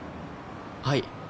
はい。